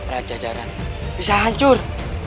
raja jarang bisa hancur